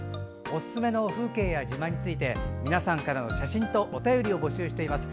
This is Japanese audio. おすすめの風景や自慢について皆さんからの写真とお便りを募集しています。